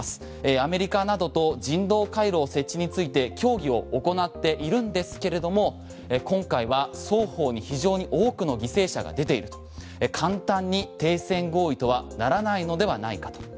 アメリカなどと人道回廊設置について協議を行っているんですけれども今回は双方に非常に多くの犠牲者が出ている簡単に停戦合意とはならないのではないかと。